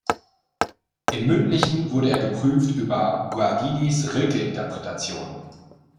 Im Mündlichen wurde er geprüft über Guardinis Rilke-Interpretation.